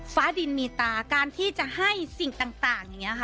ฟ้าดินมีตาการที่จะให้สิ่งต่างอย่างนี้ค่ะ